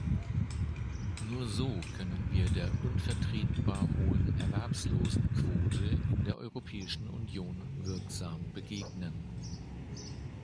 Nur so können wir der unvertretbar hohen Erwerbslosenquote in der Europäischen Union wirksam begegnen.